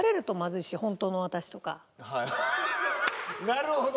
なるほど。